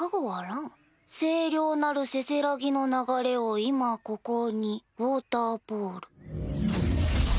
清涼なるせせらぎの流れを今ここにウォーターボール。